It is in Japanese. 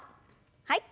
はい。